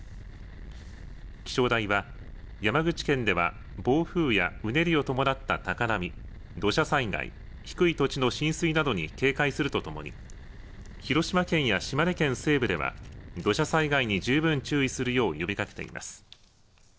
気象台は山口県では暴風やうねりを伴った高波、土砂災害、低い土地の浸水などに警戒するとともに広島県や島根県西部では土砂災害に十分注意するよう呼びかけています。